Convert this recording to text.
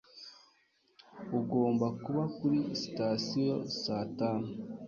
Ugomba kuba kuri sitasiyo saa tanu.